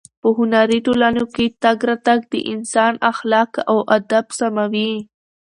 په هنري ټولنو کې تګ راتګ د انسان اخلاق او ادب سموي.